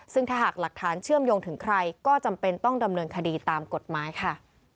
ซึ่งถ้าหากหลักฐานเชื่อมโยงถึงใครก็จำเป็นต้องดำเนินคดีตามกฎหมายค่ะ